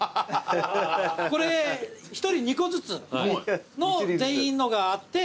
これ一人２個ずつの全員のがあって。